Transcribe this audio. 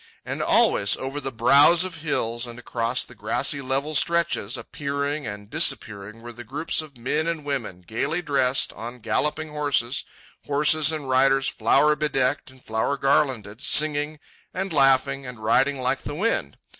And always, over the brows of hills and across the grassy level stretches, appearing and disappearing, were the groups of men and women, gaily dressed, on galloping horses, horses and riders flower bedecked and flower garlanded, singing, and laughing, and riding like the wind.